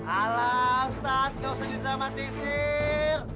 alam ustadz gak usah didramatisir